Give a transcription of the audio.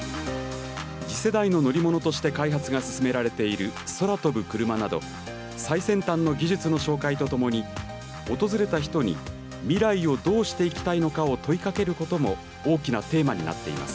次世代の乗り物として開発が進められている空飛ぶクルマなど最先端の技術の紹介とともに訪れた人に未来をどうしていきたいのかを問いかけることも大きなテーマになっています。